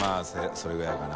それぐらいかな